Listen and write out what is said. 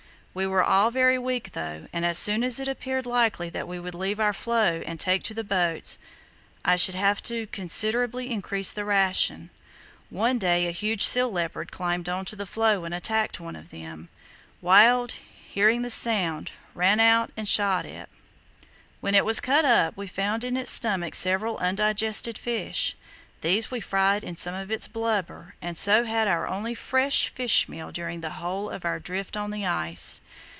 We were all very weak though, and as soon as it appeared likely that we should leave our floe and take to the boats I should have to considerably increase the ration. One day a huge sea leopard climbed on to the floe and attacked one of the men. Wild, hearing the shouting, ran out and shot it. When it was cut up, we found in its stomach several undigested fish. These we fried in some of its blubber, and so had our only "fresh" fish meal during the whole of our drift on the ice.